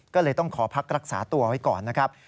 ก็เลยต้องขอพักรักษาตัวไว้ก่อนนะครับ